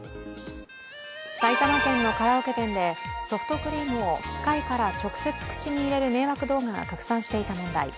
埼玉県のカラオケ店で、ソフトクリームを機械から直接口に入れる迷惑動画が拡散していた問題。